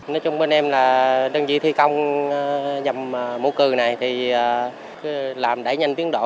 nói chung bên em là đơn vị thi công nhầm mũ cư này thì làm đẩy nhanh tiến độ